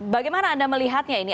bagaimana anda melihatnya ini